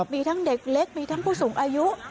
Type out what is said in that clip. มีทั้งเด็กเล็กมีทั้งผู้สูงอายุ